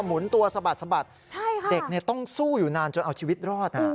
และมุนตัวทางทางทางโดยต้องสู้นานจนเอาชีวิตรอด